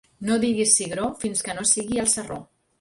No diguis cigró fins que no sigui al sarró.